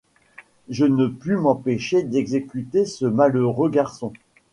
Je ne pus m’empêcher d’excuser ce malheureux garçon.